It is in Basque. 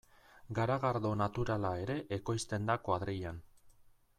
Garagardo naturala ere ekoizten da kuadrillan.